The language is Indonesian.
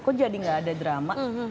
kok jadi gak ada drama